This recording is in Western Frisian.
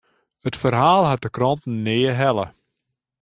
It ferhaal hat de krante nea helle.